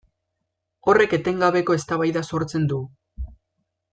Horrek etengabeko eztabaida sortzen du.